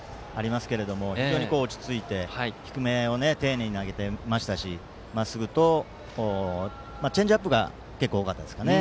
非常に落ち着いて低めを丁寧に投げていましたしまっすぐと、チェンジアップが多かったですかね。